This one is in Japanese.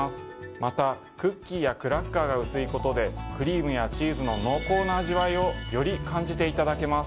またクッキーやクラッカーが薄いことでクリームやチーズの濃厚な味わいをより感じていただけます。